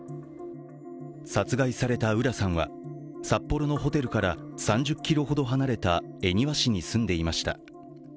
殺害された浦さんは札幌のホテルから３０ｋｍほど離れた恵庭市に住んでいました。